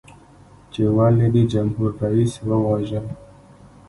چې ولې دې جمهور رئیس وواژه؟